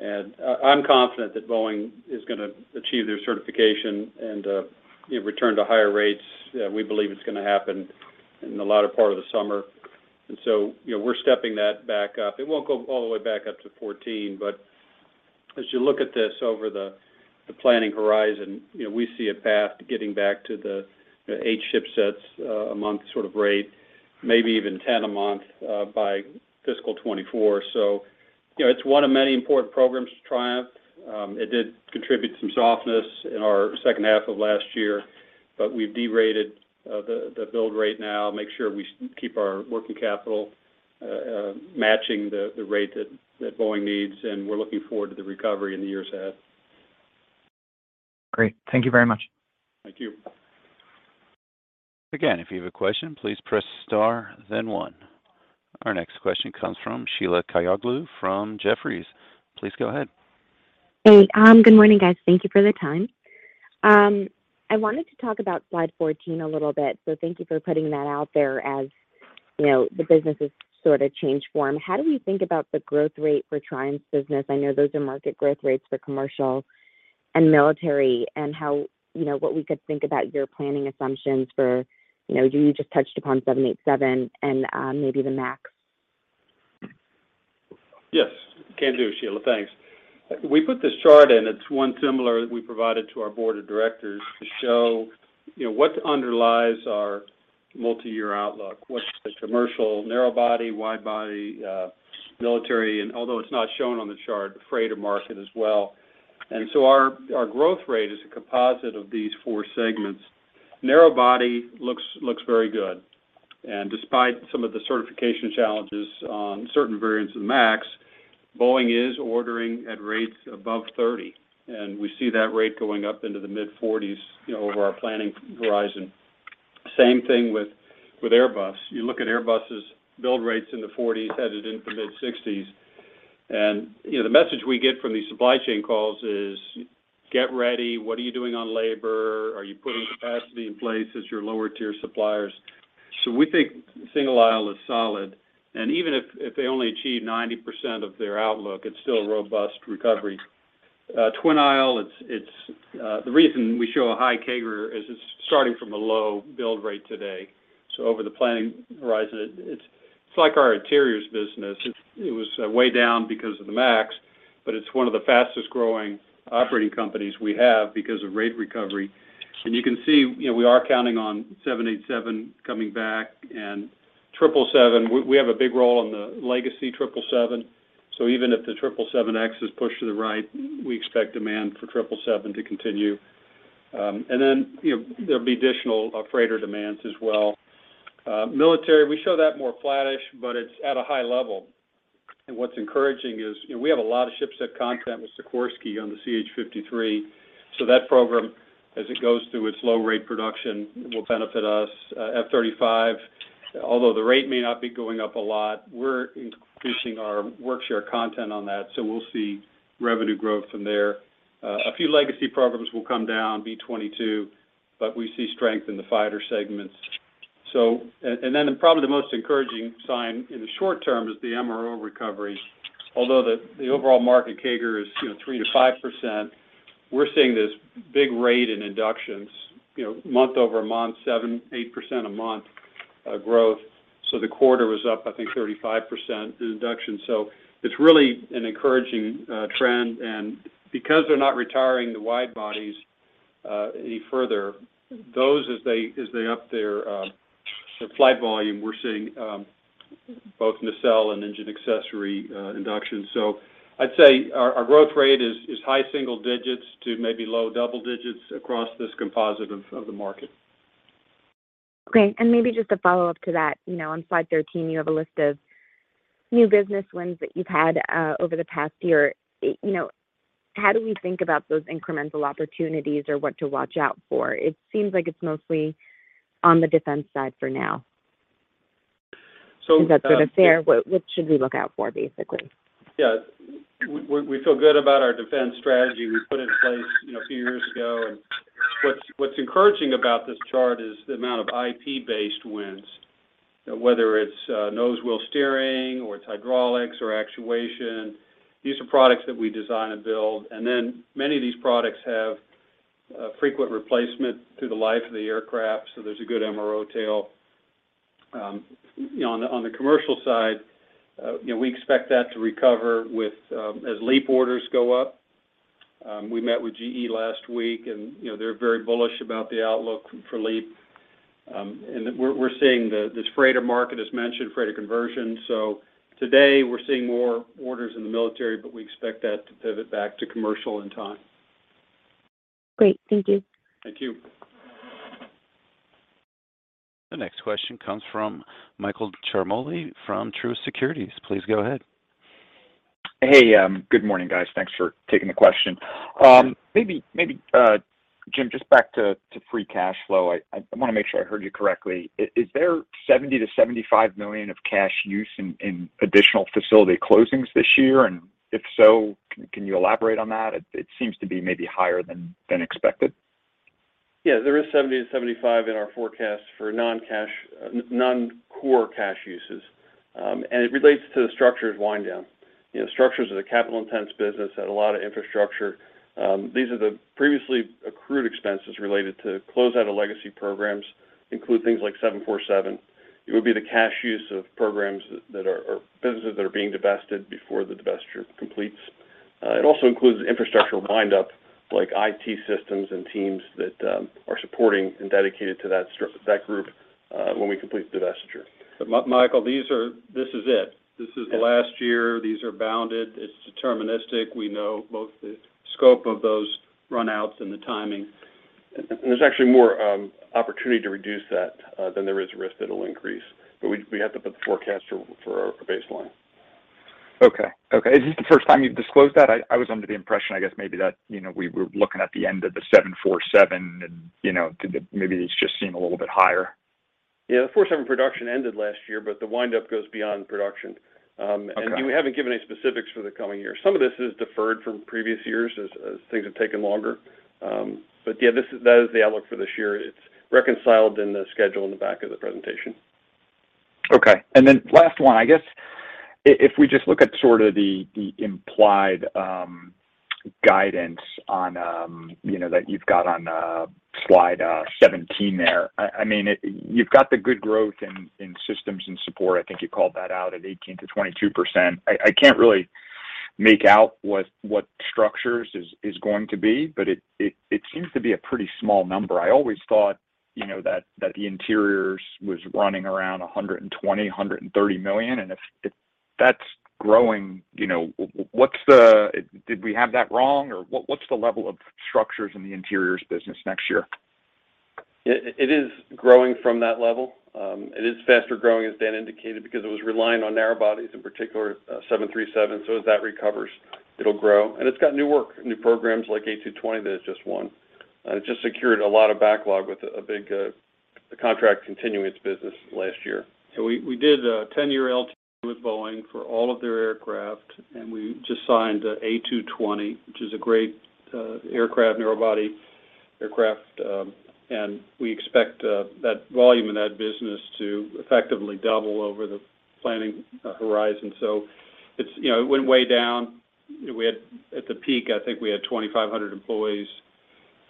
I'm confident that Boeing is gonna achieve their certification and, you know, return to higher rates. We believe it's gonna happen in the latter part of the summer, and so, you know, we're stepping that back up. It won't go all the way back up to 14, but as you look at this over the planning horizon, you know, we see a path to getting back to the eight ship sets a month sort of rate, maybe even 10 a month by fiscal 2024. You know, it's one of many important programs for Triumph. It did contribute some softness in our second half of last year, but we've derated the build rate now, make sure we keep our working capital matching the rate that Boeing needs, and we're looking forward to the recovery in the years ahead. Great. Thank you very much. Thank you. Again, if you have a question, please press star then one. Our next question comes from Sheila Kahyaoglu from Jefferies. Please go ahead. Hey, good morning, guys. Thank you for the time. I wanted to talk about slide 14 a little bit, so thank you for putting that out there. As you know, the business has sort of changed form. How do we think about the growth rate for Triumph's business? I know those are market growth rates for commercial and military, and how, you know, what we could think about your planning assumptions for, you know, you just touched upon 787 and maybe the MAX. Yes. Can do, Sheila, thanks. We put this chart in, it's one similar that we provided to our board of directors to show, you know, what underlies our multi-year outlook, what's the commercial narrow body, wide body, military, and although it's not shown on the chart, the freighter market as well. Our growth rate is a composite of these four segments. Narrow body looks very good. Despite some of the certification challenges on certain variants of MAX, Boeing is ordering at rates above 30, and we see that rate going up into the mid-40s, you know, over our planning horizon. Same thing with Airbus. You look at Airbus' build rates in the 40s headed into mid-60s. You know, the message we get from these supply chain calls is, "Get ready. What are you doing on labor? Are you putting capacity in place as your lower tier suppliers?" We think single aisle is solid. Even if they only achieve 90% of their outlook, it's still a robust recovery. Twin aisle, it's the reason we show a high CAGR is it's starting from a low build rate today. Over the planning horizon, it's like our interiors business. It was way down because of the MAX, but it's one of the fastest growing operating companies we have because of rate recovery. You can see, you know, we are counting on 787 coming back and 777. We have a big role in the legacy 777, so even if the 777X is pushed to the right, we expect demand for 777 to continue. There'll be additional freighter demands as well. Military, we show that more flattish, but it's at a high level. What's encouraging is, you know, we have a lot of ship set content with Sikorsky on the CH-53, so that program, as it goes through its low rate production, will benefit us. F-35, although the rate may not be going up a lot, we're, you know, increasing our work share content on that, so we'll see revenue growth from there. A few legacy programs will come down, V-22, but we see strength in the fighter segments. Probably the most encouraging sign in the short term is the MRO recovery. Although the overall market CAGR is, you know, 3%-5%, we're seeing this big rate in inductions, you know, month-over-month, 7%-8% a month growth. The quarter was up, I think, 35% in induction. It's really an encouraging trend. Because they're not retiring the wide bodies any further, those as they up their flight volume, we're seeing both nacelle and engine accessory inductions. I'd say our growth rate is high single digits to maybe low double digits across this composite of the market. Great. Maybe just a follow-up to that. You know, on slide 13, you have a list of new business wins that you've had over the past year. You know, how do we think about those incremental opportunities or what to watch out for? It seems like it's mostly on the defense side for now. Is that sort of fair? What should we look out for, basically? Yeah. We feel good about our defense strategy we put in place, you know, a few years ago. What's encouraging about this chart is the amount of IP-based wins, whether it's nose wheel steering or it's hydraulics or actuation. These are products that we design and build. Many of these products have frequent replacement through the life of the aircraft, so there's a good MRO tail. You know, on the commercial side, you know, we expect that to recover with as LEAP orders go up. We met with GE last week, and you know, they're very bullish about the outlook for LEAP. We're seeing this freighter market, as mentioned, freighter conversion. Today we're seeing more orders in the military, but we expect that to pivot back to commercial in time. Great. Thank you. Thank you. The next question comes from Michael Ciarmoli from Truist Securities. Please go ahead. Hey, good morning, guys. Thanks for taking the question. Maybe, Jim, just back to free cash flow. I wanna make sure I heard you correctly. Is there $70 million-$75 million of cash use in additional facility closings this year? If so, can you elaborate on that? It seems to be maybe higher than expected. Yeah, there is $70-$75 in our forecast for non-cash, non-core cash uses. It relates to the structures wind down. You know, structures is a capital-intensive business, had a lot of infrastructure. These are the previously accrued expenses related to close out of legacy programs, include things like 747. It would be the cash use of programs that are or businesses that are being divested before the divestiture completes. It also includes infrastructure wind-down, like IT systems and teams that are supporting and dedicated to that group, when we complete the divestiture. Michael, these are, this is it. This is the last year. These are bounded. It's deterministic. We know both the scope of those runouts and the timing. There's actually more opportunity to reduce that than there is risk that it'll increase. We have to put the forecast for our baseline. Okay. Is this the first time you've disclosed that? I was under the impression, I guess, maybe that, you know, we were looking at the end of the 747 and, you know, did it maybe just seem a little bit higher? The 747 production ended last year, but the wind up goes beyond production. We haven't given any specifics for the coming year. Some of this is deferred from previous years as things have taken longer. Yeah, that is the outlook for this year. It's reconciled in the schedule in the back of the presentation. Okay. Last one, I guess, if we just look at sort of the implied guidance on, you know, that you've got on slide 17 there. I mean, you've got the good growth in systems and support. I think you called that out at 18%-22%. I can't really make out what structures is going to be, but it seems to be a pretty small number. I always thought, you know, that the interiors was running around $120 million-$130 million. If that's growing, you know, what's the... Did we have that wrong? Or what's the level of structures in the interiors business next year? It is growing from that level. It is faster growing, as Dan indicated, because it was relying on narrow bodies, in particular, 737. As that recovers, it'll grow. It's got new work, new programs like A220 that it's just won. It just secured a lot of backlog with a big contract continuing its business last year. We did a 10-year LTA with Boeing for all of their aircraft, and we just signed a A220, which is a great aircraft, narrow body aircraft. We expect that volume in that business to effectively double over the planning horizon. It's, you know, it went way down. We had at the peak, I think we had 2,500 employees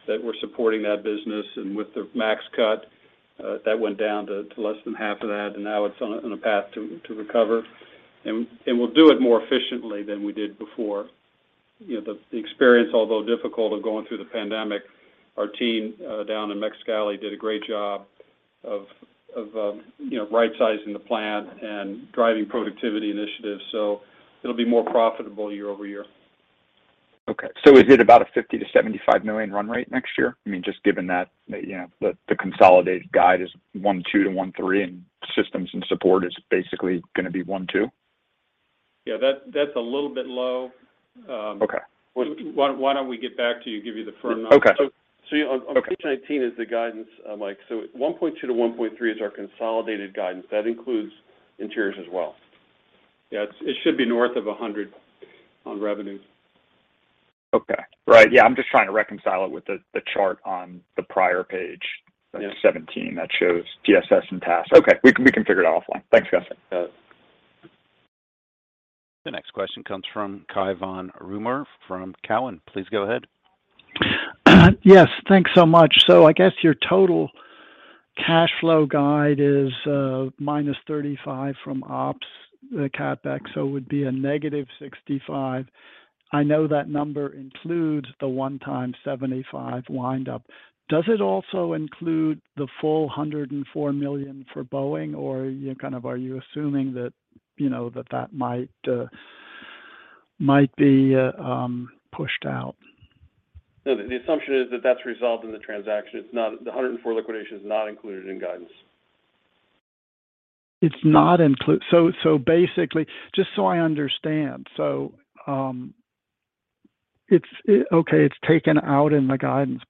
that were supporting that business. With the MAX cut, that went down to less than half of that, and now it's on a path to recover. We'll do it more efficiently than we did before. You know, the experience, although difficult, of going through the pandemic, our team down in Mexicali did a great job of, you know, right-sizing the plant and driving productivity initiatives, so it'll be more profitable year-over-year. Okay. Is it about a $50 million-$75 million run rate next year? I mean, just given that, you know, the consolidated guide is $1.2 billion-$1.3 billion, and Systems & Support is basically gonna be $1.2 billion. Yeah, that's a little bit low. Okay. Why don't we get back to you, give you the firm numbers? Okay. Yeah, on page 19 is the guidance, Mike. $1.2 billion-$1.3 billion is our consolidated guidance. That includes interiors as well. Yeah. It should be north of $100 million on revenue. Okay. Right. Yeah, I'm just trying to reconcile it with the chart on the prior page. Yeah 17 that shows TSS and TAS. Okay. We can figure it out offline. Thanks, guys. Yeah. The next question comes from Cai von Rumohr from Cowen. Please go ahead. Yes. Thanks so much. I guess your total cash flow guide is -$35 million from ops, the CapEx, so it would be a -$65 million. I know that number includes the one-time $75 million wind up. Does it also include the full $104 million for Boeing, or are you assuming that, you know, that might be pushed out? No, the assumption is that that's resolved in the transaction. It's not. The $104 million liquidation is not included in guidance. Basically, just so I understand, it's taken out in the guidance.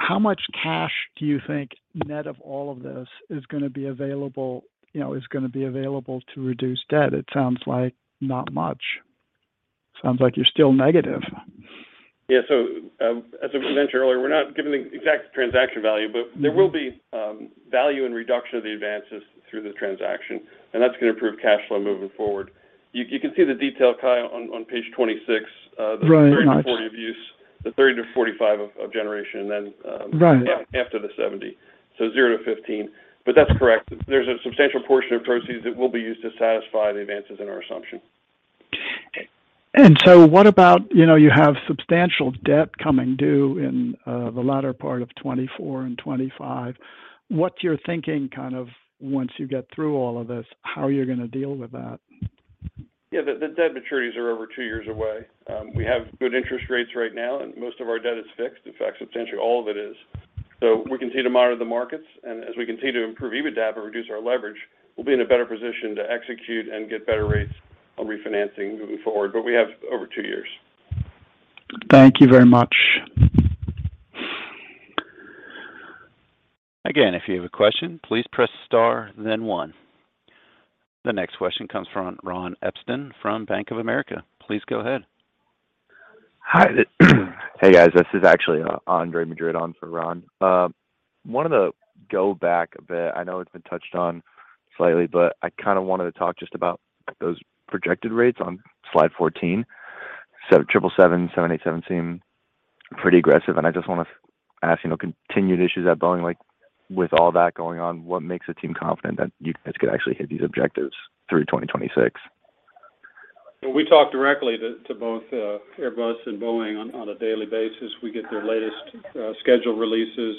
How much cash do you think net of all of this is gonna be available, you know, to reduce debt? It sounds like not much. Sounds like you're still negative. As I mentioned earlier, we're not giving the exact transaction value, but there will be value and reduction of the advances through the transaction, and that's gonna improve cash flow moving forward. You can see the detail, Cai, on page 26. Right. Gotcha. the $30 million-$40 million of use, the 30-45 of generation then Right After the 70, so 0-15. That's correct. There's a substantial portion of proceeds that will be used to satisfy the advances in our assumption. What about, you know, you have substantial debt coming due in the latter part of 2024 and 2025. What's your thinking kind of once you get through all of this, how you're gonna deal with that? Yeah. The debt maturities are over two years away. We have good interest rates right now, and most of our debt is fixed. In fact, substantially all of it is. We continue to monitor the markets, and as we continue to improve EBITDA, but reduce our leverage, we'll be in a better position to execute and get better rates on refinancing moving forward. We have over two years. Thank you very much. Again, if you have a question, please press star then one. The next question comes from Ron Epstein from Bank of America. Please go ahead. Hi. Hey, guys. This is actually Andre Madrid on for Ron. Wanted to go back a bit. I know it's been touched on slightly, but I kinda wanted to talk just about those projected rates on slide 14. 777, 787 seem pretty aggressive, and I just wanna ask, you know, continued issues at Boeing, like with all that going on, what makes the team confident that you guys could actually hit these objectives through 2026? Well, we talk directly to both Airbus and Boeing on a daily basis. We get their latest schedule releases.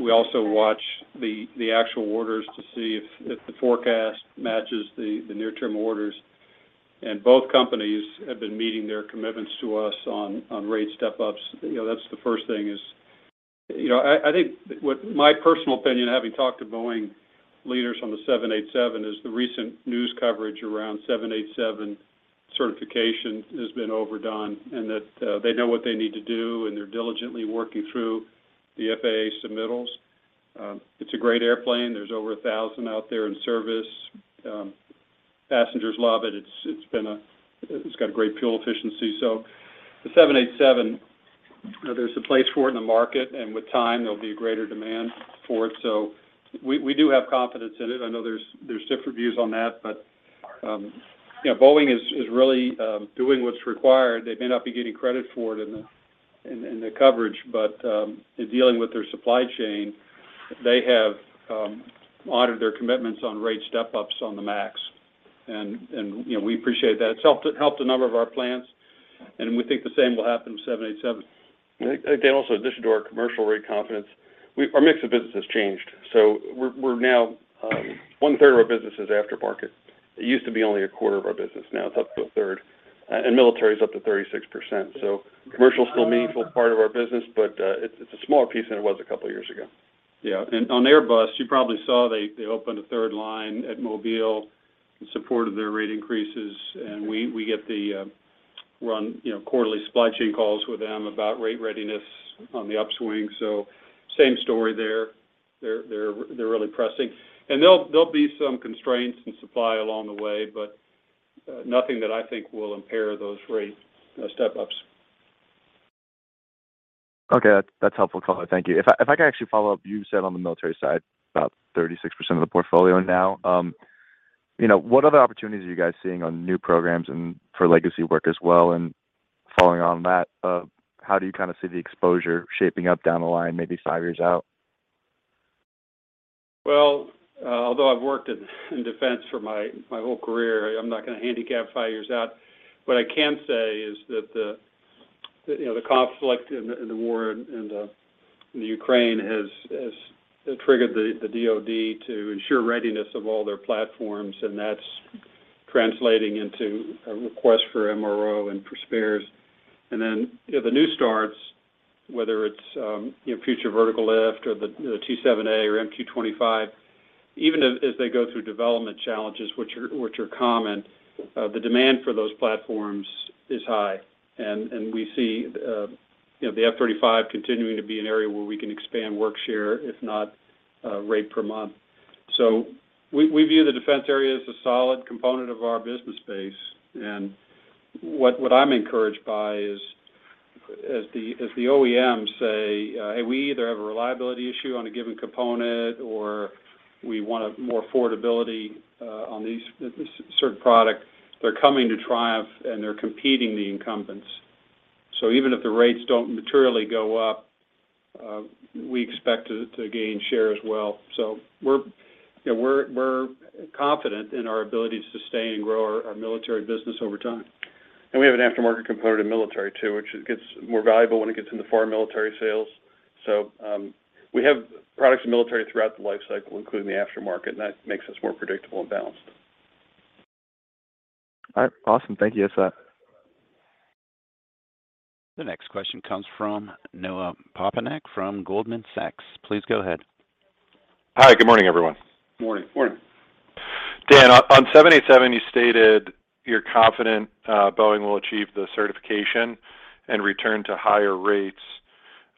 We also watch the actual orders to see if the forecast matches the near term orders. Both companies have been meeting their commitments to us on rate step-ups. You know, that's the first thing. You know, I think what my personal opinion, having talked to Boeing leaders on the 787, is the recent news coverage around 787 certification has been overdone, and that they know what they need to do, and they're diligently working through the FAA submittals. It's a great airplane. There's over 1,000 out there in service. Passengers love it. It's got great fuel efficiency. The 787, there's a place for it in the market, and with time, there'll be a greater demand for it. We do have confidence in it. I know there's different views on that. You know, Boeing is really doing what's required. They may not be getting credit for it in the coverage, but in dealing with their supply chain, they have honored their commitments on rate step-ups on the Max. You know, we appreciate that. It helped a number of our plans, and we think the same will happen to 787. In addition to our commercial aftermarket confidence, our mix of business has changed. We're now 1/3 of our business is aftermarket. It used to be only 1/4 of our business, now it's up to 1/3. Military is up to 36%. Commercial's still a meaningful part of our business, but it's a smaller piece than it was a couple years ago. Yeah. On Airbus, you probably saw they opened a third line at Mobile in support of their rate increases. We're on, you know, quarterly supply chain calls with them about rate readiness on the upswing. Same story there. They're really pressing. There'll be some constraints in supply along the way, but nothing that I think will impair those rate step-ups. Okay. That's helpful color. Thank you. If I can actually follow up, you said on the military side, about 36% of the portfolio now. You know, what other opportunities are you guys seeing on new programs and for legacy work as well? Following on that, how do you kinda see the exposure shaping up down the line, maybe five years out? Well, although I've worked in defense for my whole career, I'm not gonna handicap five years out. What I can say is that you know, the conflict and the war in the Ukraine has triggered the DoD to ensure readiness of all their platforms, and that's translating into a request for MRO and for spares. Then, you know, the new starts, whether it's you know, Future Vertical Lift or the T-7A or MQ-25. Even as they go through development challenges, which are common, the demand for those platforms is high. We see you know, the F-35 continuing to be an area where we can expand work share, if not rate per month. We view the defense area as a solid component of our business base. What I'm encouraged by is as the OEMs say, "Hey, we either have a reliability issue on a given component, or we want more affordability on this certain product," they're coming to Triumph, and they're competing with the incumbents. Even if the rates don't materially go up, we expect to gain share as well. You know, we're confident in our ability to sustain and grow our military business over time. We have an aftermarket component in military too, which it gets more valuable when it gets into foreign military sales. We have products in military throughout the life cycle, including the aftermarket, and that makes us more predictable and balanced. All right. Awesome. Thank you. Yes, sir. The next question comes from Noah Poponak from Goldman Sachs. Please go ahead. Hi. Good morning, everyone. Morning. Morning. Dan, on 787, you stated you're confident Boeing will achieve the certification and return to higher rates.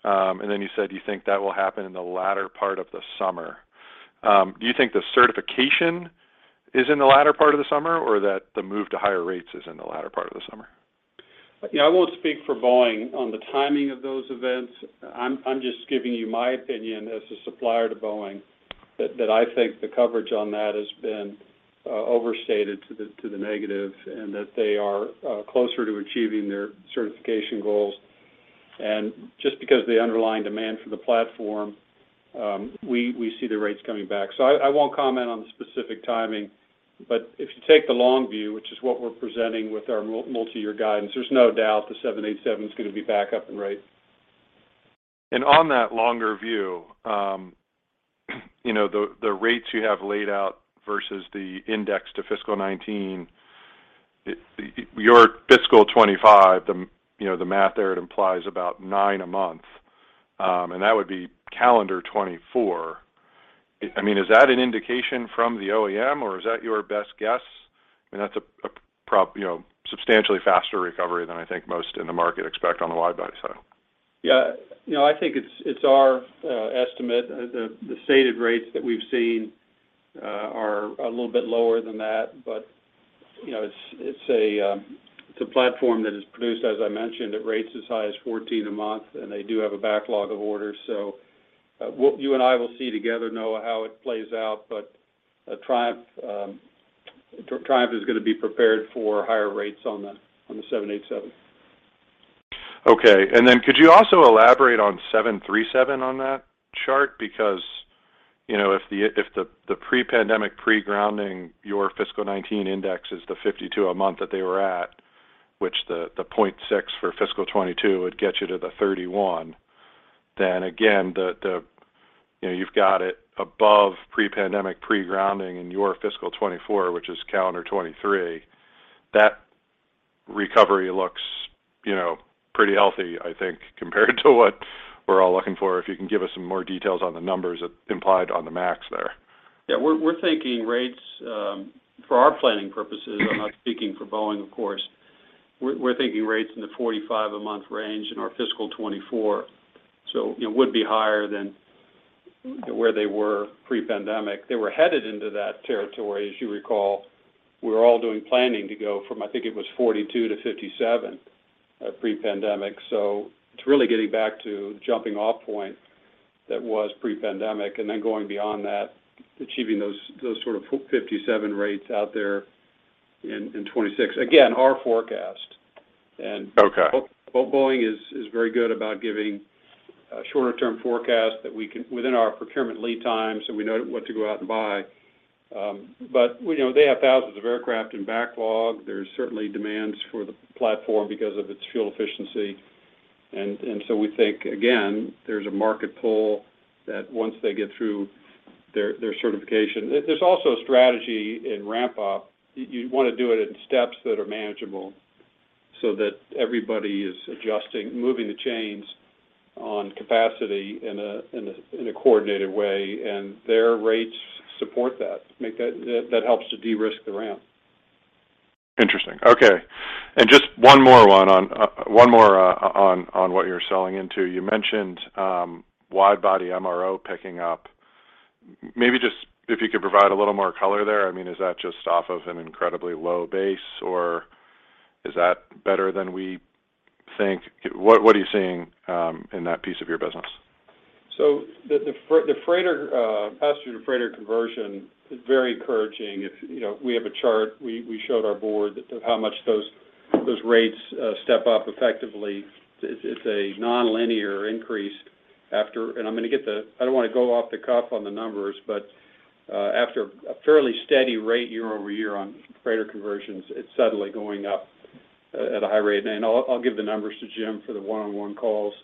You said you think that will happen in the latter part of the summer. Do you think the certification is in the latter part of the summer, or that the move to higher rates is in the latter part of the summer? Yeah, I won't speak for Boeing on the timing of those events. I'm just giving you my opinion as a supplier to Boeing that I think the coverage on that has been overstated to the negative, and that they are closer to achieving their certification goals. Just because the underlying demand for the platform, we see the rates coming back. I won't comment on the specific timing, but if you take the long view, which is what we're presenting with our multi-year guidance, there's no doubt the 787 is gonna be back up in rate. On that longer view, you know, the rates you have laid out versus the index to fiscal 2019, your fiscal 2025, you know, the math there, it implies about nine a month, and that would be calendar 2024. I mean, is that an indication from the OEM, or is that your best guess? I mean, that's a you know, substantially faster recovery than I think most in the market expect on the wide body side. Yeah. You know, I think it's our estimate. The stated rates that we've seen are a little bit lower than that. You know, it's a platform that is produced, as I mentioned, at rates as high as 14 a month, and they do have a backlog of orders. What you and I will see together. No, how it plays out. Triumph is gonna be prepared for higher rates on the 787. Okay. Could you also elaborate on 737 on that chart? Because, you know, if the pre-pandemic, pre-grounding, your fiscal 2019 index is the 52 a month that they were at, which, you know, you've got it above pre-pandemic, pre-grounding in your fiscal 2024, which is calendar 2023. That recovery looks, you know, pretty healthy, I think, compared to what we're all looking for. If you can give us some more details on the numbers implied on the MAX there? Yeah. We're thinking rates for our planning purposes. I'm not speaking for Boeing, of course. We're thinking rates in the 45 a month range in our fiscal 2024. You know, would be higher than where they were pre-pandemic. They were headed into that territory, as you recall. We were all doing planning to go from, I think it was 42 to 57 pre-pandemic. It's really getting back to jumping off point that was pre-pandemic, and then going beyond that, achieving those sort of 57 rates out there in 2026. Again, our forecast. Okay Boeing is very good about giving shorter term forecasts within our procurement lead times, so we know what to go out and buy. But, you know, they have thousands of aircraft in backlog. There's certainly demands for the platform because of its fuel efficiency. So we think, again, there's a market pull that once they get through their certification. There's also a strategy in ramp up. You wanna do it in steps that are manageable so that everybody is adjusting, moving the chains on capacity in a coordinated way, and their rates support that helps to de-risk the ramp. Interesting. Okay. Just one more on what you're selling into. You mentioned wide body MRO picking up. Maybe just if you could provide a little more color there. I mean, is that just off of an incredibly low base, or is that better than we think? What are you seeing in that piece of your business? The freighter passenger to freighter conversion is very encouraging. You know, we have a chart we showed our board of how much those rates step up effectively. It's a nonlinear increase after a fairly steady rate year-over-year on freighter conversions. It's suddenly going up at a high rate. I don't wanna go off the cuff on the numbers. I'll give the numbers to Jim for the one-on-one calls.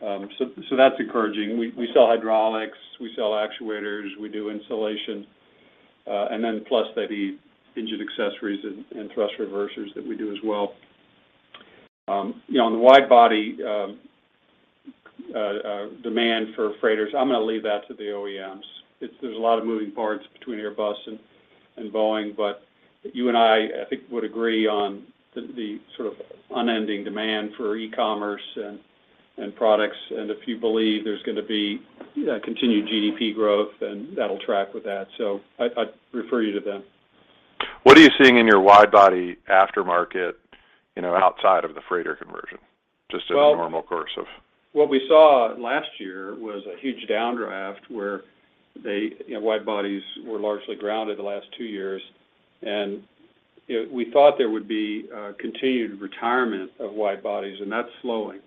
That's encouraging. We sell hydraulics, we sell actuators, we do insulation, and then plus the engine accessories and thrust reversers that we do as well. You know, on the wide body demand for freighters, I'm gonna leave that to the OEMs. There's a lot of moving parts between Airbus and Boeing, but you and I think, would agree on the sort of unending demand for e-commerce and products. If you believe there's gonna be continued GDP growth, then that'll track with that. I'd refer you to them. What are you seeing in your wide-body aftermarket, you know, outside of the freighter conversion? Just in the normal course of. What we saw last year was a huge downdraft where they, you know, wide-bodies were largely grounded the last two years. You know, we thought there would be continued retirement of wide-bodies, and that's slowing.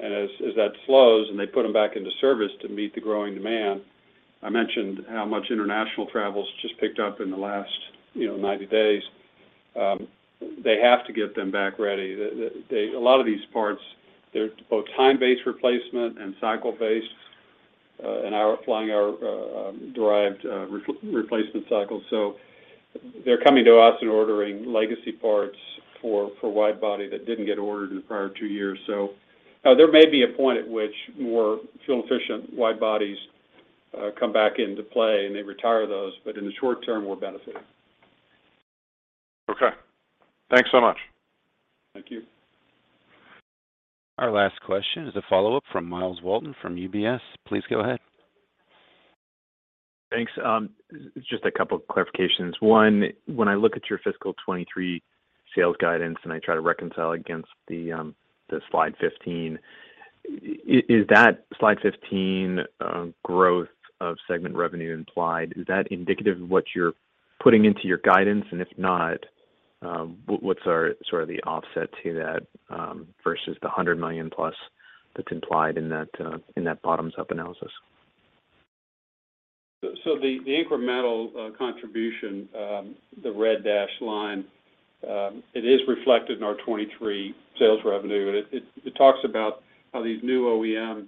As that slows and they put them back into service to meet the growing demand, I mentioned how much international travel's just picked up in the last, you know, 90 days. They have to get them back ready. They. A lot of these parts, they're both time-based replacement and cycle-based, and flying hour derived replacement cycles. They're coming to us and ordering legacy parts for wide-body that didn't get ordered in the prior two years. There may be a point at which more fuel-efficient wide-bodies come back into play, and they retire those, but in the short term, we're benefiting. Okay. Thanks so much. Thank you. Our last question is a follow-up from Myles Walton from UBS. Please go ahead. Thanks. Just a couple clarifications. One, when I look at your fiscal 2023 sales guidance, and I try to reconcile against the slide 15, is that slide 15 growth of segment revenue implied? Is that indicative of what you're putting into your guidance? If not, what's sort of the offset to that versus the $100 million plus that's implied in that bottoms-up analysis? The incremental contribution, the red dashed line, it is reflected in our 2023 sales revenue. It talks about how these new OEM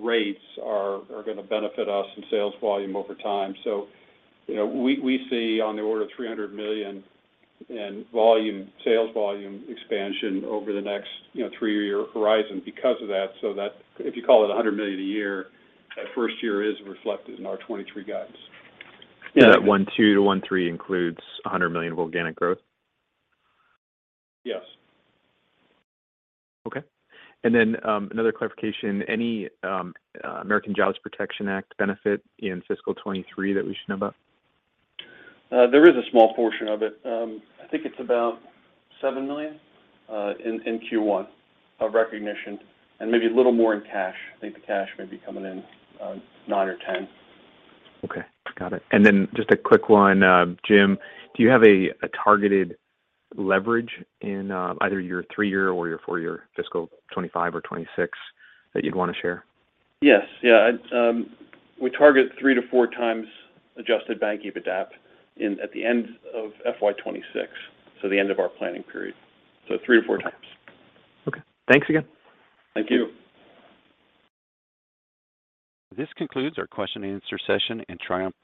rates are gonna benefit us in sales volume over time. You know, we see on the order of $300 million in volume, sales volume expansion over the next, you know, three-year horizon because of that. That, if you call it $100 million a year, that first year is reflected in our 2023 guidance. That $1.2 billion-$1.3 billion includes $100 million of organic growth? Yes. Okay. Another clarification. Any American Jobs Protection Act benefit in fiscal 2023 that we should know about? There is a small portion of it. I think it's about $7 million in Q1 of recognition and maybe a little more in cash. I think the cash may be coming in $9 million or $10 million. Okay, got it. Just a quick one, Jim, do you have a targeted leverage in either your three-year or your four-year fiscal 2025 or 2026 that you'd wanna share? We target 3x-4x adjusted bank EBITDAP at the end of FY 2026, so the end of our planning period. 3x-4x. Okay. Thanks again. Thank you. This concludes our question and answer session and Triumph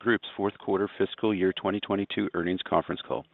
Group's fourth quarter fiscal year 2022 earnings conference call.